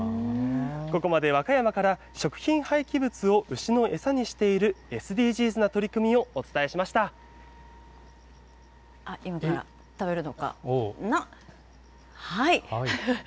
ここまで、和歌山から食品廃棄物を牛の餌にしているＳＤＧｓな取り組みをお今から食べるのかな？